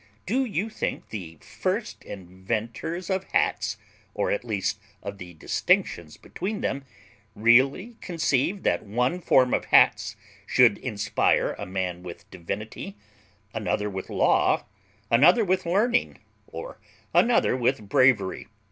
Do you think the first inventors of hats, or at least of the distinctions between them, really conceived that one form of hats should inspire a man with divinity, another with law, another with learning, or another with bravery?